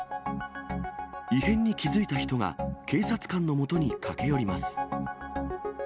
異変に気付いた人が警察官のもとに駆け寄ります。